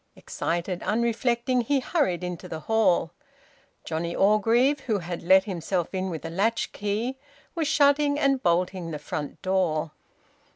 Excited, unreflecting, he hurried into the hall. Johnnie Orgreave, who had let himself in with a latchkey, was shutting and bolting the front door.